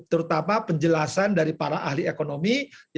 terutama penjelasan dari para ahli ekonomi